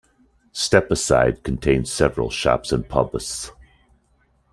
Stepaside contains several shops and pubs.